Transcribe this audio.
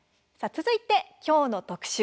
続いてきょうの特集